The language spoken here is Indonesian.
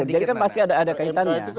jadi kan pasti ada kaitannya